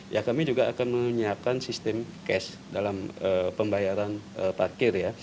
ya kami juga akan menyiapkan sistem cash dalam pembayaran parkir ya